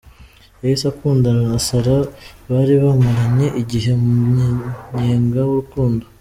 Yahise akundana na Sarah bari bamaranye igihe mu munyenga w’urukundo.